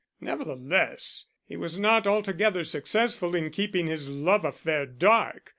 Nevertheless, he was not altogether successful in keeping his love affair dark.